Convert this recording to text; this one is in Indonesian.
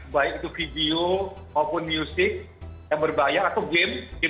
baik itu video maupun music yang berbayar atau game